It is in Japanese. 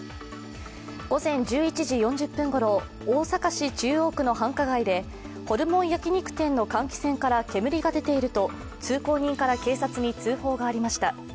午前１１時４０分ごろ、大阪市中央区の繁華街でホルモン焼き肉店の換気扇から煙が出ていると通行人から警察に通報がありました。